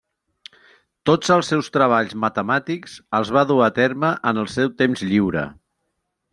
Tots els seus treballs matemàtics els va dur a terme en el seu temps lliure.